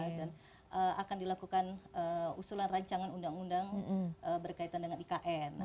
dan akan dilakukan usulan rancangan undang undang berkaitan dengan ikn